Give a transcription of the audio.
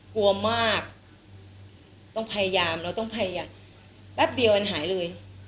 กลัวมากต้องพยายามแป๊บเดียวอันหายเลย